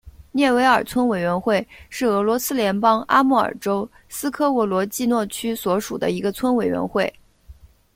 涅韦尔村委员会是俄罗斯联邦阿穆尔州斯科沃罗季诺区所属的一个村委员会。